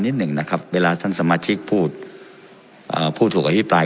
นิดหนึ่งนะครับเวลาท่านสมาชิกพูดผู้ถูกอภิปราย